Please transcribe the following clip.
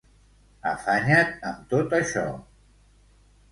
Afanya't amb tot això.